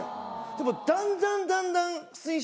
でもだんだんだんだん普通に。